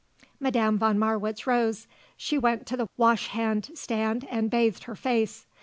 Madame von Marwitz rose. She went to the washhand stand and bathed her face.